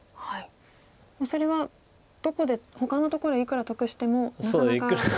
それはどこでほかのところでいくら得してもなかなか。